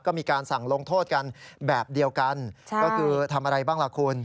ก็มีการสั่งลงโทษกันแบบเดียวกันก็คือทำอะไรบ้างล่ะคุณ